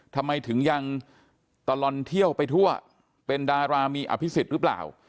ทำไมถึงยังตลอดเที่ยวไปทั่วเป็นดารามีอภิษฎหรือเปล่า